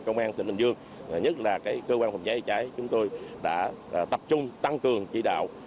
công an tỉnh bình dương nhất là cơ quan phòng cháy cháy chúng tôi đã tập trung tăng cường chỉ đạo